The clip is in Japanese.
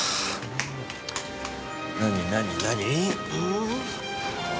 何何何？ん？